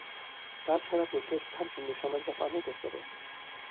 তাছাড়া পুত্রের স্থান হিন্দুসমাজে অনেক ওপরে।